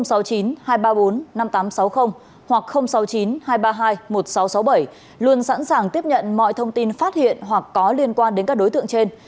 và cơ quan công an sáu mươi hai một nghìn sáu trăm sáu mươi bảy luôn sẵn sàng tiếp nhận mọi thông tin phát hiện hoặc có liên quan đến các đối tượng trên